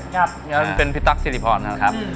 เป็นพี่ตั๊กสิริพรนะครับ